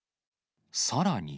さらに。